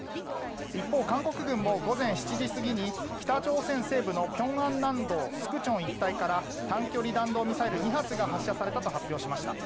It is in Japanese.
一方、韓国軍も午前７時過ぎに北朝鮮西部の平安南道粛川一帯から短距離弾道ミサイル２発が発射されたと発表しました。